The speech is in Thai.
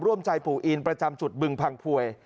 ร่วมใจปู่อินประจำจุดบึงพังพวย